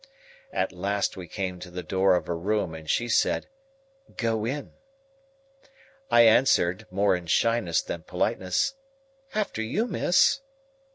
At last we came to the door of a room, and she said, "Go in." I answered, more in shyness than politeness, "After you, miss."